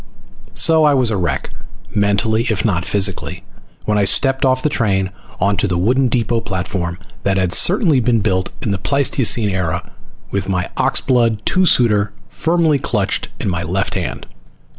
So I was a wreck, mentally, if not physically, when I stepped off the train onto the wooden depot platform that had certainly been built in the Pleistocene Era, with my oxblood two suiter firmly clutched in my left hand.